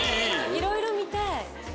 いろいろ見たい。